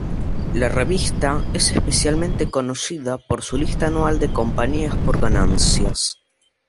La revista es especialmente conocida por su lista anual de compañías por ganancias.